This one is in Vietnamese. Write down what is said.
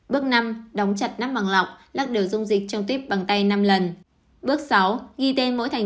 bước năm đóng chặt nắp bằng lọc lắc đều dung dịch trong tuyếp bằng tay năm lần